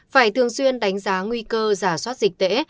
phải thường xuyên đánh giá nguy cơ giả soát dịch tễ